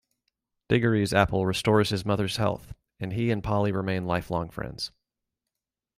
Digory's apple restores his mother's health, and he and Polly remain lifelong friends.